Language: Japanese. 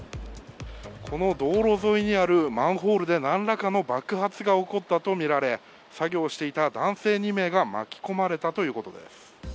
この道路沿いにあるマンホールでなんらかの爆発が起こったとみられ、作業していた男性２人が巻き込まれたということです。